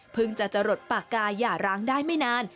จะจะหลดปากกาหย่าร้างได้ไม่นาน